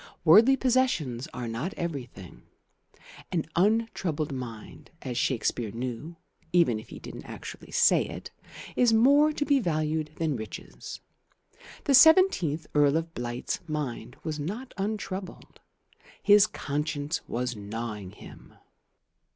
But worldly possessions are not everything. An untroubled mind, as Shakespeare knew (even if he didn't actually say it), is more to be valued than riches. The seventeenth Earl of Blight's mind was not untroubled. His conscience was gnawing him.